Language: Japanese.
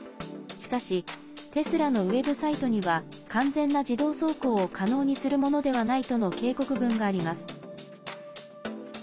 しかし、テスラのウェブサイトには「完全な自動走行を可能にするものではない」との警告文があります。